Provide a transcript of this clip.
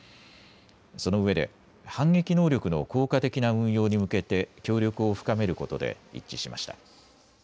そのうえで反撃能力の効果的な運用に向けて協力を深めることで一致しました。